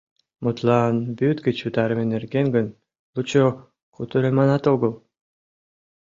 Мутлан, вӱд гыч утарыме нерген гын, лучо кутырыманат огыл.